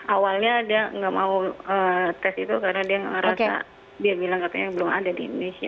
awalnya dia nggak mau tes itu karena dia ngerasa dia bilang katanya belum ada di indonesia